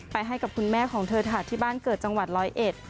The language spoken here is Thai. ให้กับคุณแม่ของเธอค่ะที่บ้านเกิดจังหวัดร้อยเอ็ด